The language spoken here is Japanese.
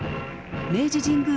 明治神宮